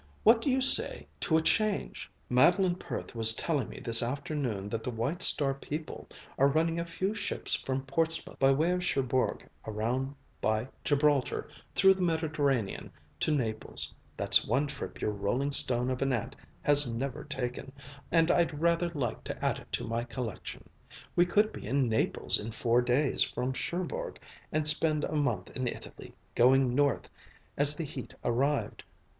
What do you say to a change? Madeleine Perth was telling me this afternoon that the White Star people are running a few ships from Portsmouth by way of Cherbourg around by Gibraltar, through the Mediterranean to Naples. That's one trip your rolling stone of an aunt has never taken, and I'd rather like to add it to my collection. We could be in Naples in four days from Cherbourg and spend a month in Italy, going north as the heat arrived.